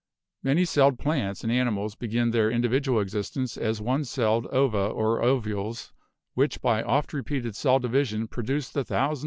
Many celled plants and animals begin their individual existence as one celled ova or ovules which by oft re peated cell division produce the thousands of cells found Fig.